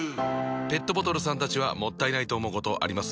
ペットボトルさんたちはもったいないと思うことあります？